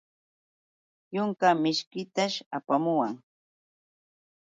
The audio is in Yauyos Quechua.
Yunka mishkitash apamuwan.